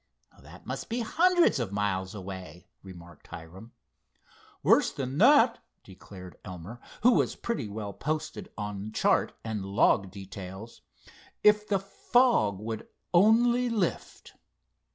"That must be hundreds of miles away," remarked Hiram. "Worse than that," declared Elmer, who was pretty well posted on chart and "log" details. "If the fog would only lift!"